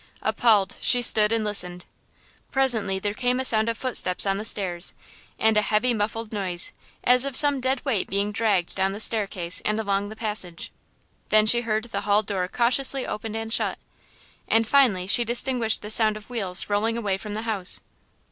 Appalled, she stood and listened. Presently there came a sound of footsteps on the stairs and a heavy muffled noise as of some dead weight being dragged down the staircase and along the passage. Then she heard the hall door cautiously opened and shut. And, finally she distinguished the sound of wheels rolling away from the house.